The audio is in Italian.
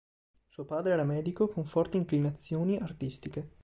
Suo padre era medico con forti inclinazioni artistiche.